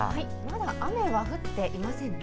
雨は降っていませんね。